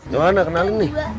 johana kenalin nih